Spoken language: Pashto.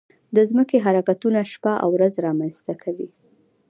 د ځمکې حرکتونه شپه او ورځ رامنځته کوي.